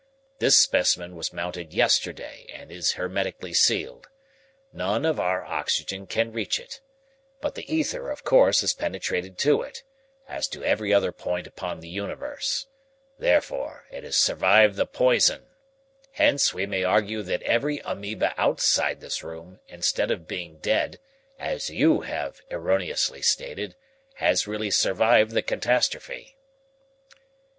This specimen was mounted yesterday and is hermetically sealed. None of our oxygen can reach it. But the ether, of course, has penetrated to it, as to every other point upon the universe. Therefore, it has survived the poison. Hence, we may argue that every amoeba outside this room, instead of being dead, as you have erroneously stated, has really survived the catastrophe."